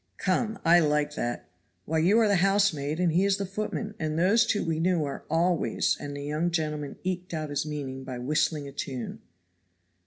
"Come, I like that. Why you are the housemaid and he is the footman, and those two we know are always" and the young gentleman eked out his meaning by whistling a tune.